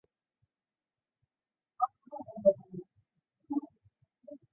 大宜昌鳞毛蕨为鳞毛蕨科鳞毛蕨属下的一个变种。